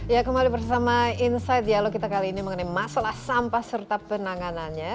ya kembali bersama insight dialog kita kali ini mengenai masalah sampah serta penanganannya